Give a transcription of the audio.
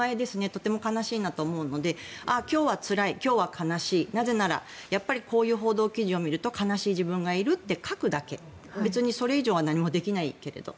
とても悲しいなと思うので今日はつらい今日は悲しい、なぜならこういう報道記事を見ると悲しい自分がいるって書くだけ別にそれ以上は何もできないけど。